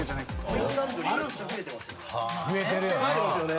コインランドリー増えてますよね。